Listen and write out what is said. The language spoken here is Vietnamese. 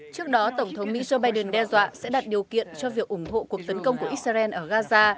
trước đó tổng thống mỹ joe biden đe dọa sẽ đặt điều kiện cho việc ủng hộ cuộc tấn công của israel ở gaza